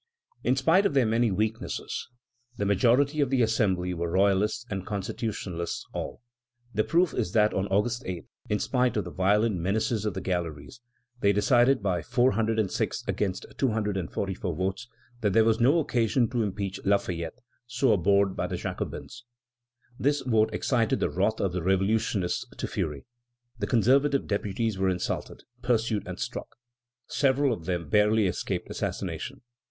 In spite of their many weaknesses, the majority of the Assembly were royalists and constitutionalists still. The proof is that on August 8, in spite of the violent menaces of the galleries, they decided by 406 against 244 votes, that there was no occasion to impeach Lafayette, so abhorred by the Jacobins. This vote excited the wrath of the revolutionists to fury. The conservative deputies were insulted, pursued, and struck. Several of them barely escaped assassination.